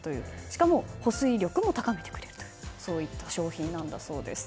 しかも保水力も高めている商品なんだそうです。